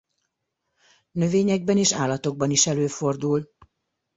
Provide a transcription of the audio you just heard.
Növényekben és állatokban is előfordul.